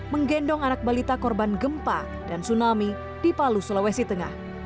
menggendong anak balita korban gempa dan tsunami di palu sulawesi tengah